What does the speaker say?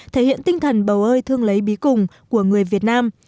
thể hiện tinh thần bầu ơi thương lấy bí cùng của người việt nam